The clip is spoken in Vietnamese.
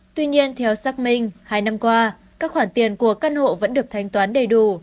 tuy nhiên theo xác minh hai năm qua các khoản tiền của căn hộ vẫn được thanh toán đầy đủ